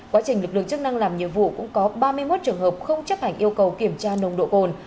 quá trình lực lượng chức năng làm nhiệm vụ cũng có ba mươi một trường hợp không chấp hành yêu cầu kiểm tra nồng độ cồn